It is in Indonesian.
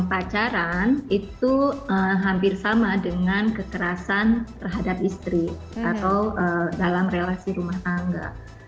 pacaran itu hampir sama dengan kekerasan terhadap istri atau dalam relasi rumah tangga